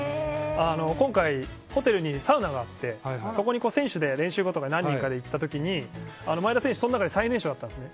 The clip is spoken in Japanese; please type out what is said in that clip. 今回、ホテルにサウナがあってそこに選手で練習後とかに何人かで行った時前田選手、その中で最年少だったんですね。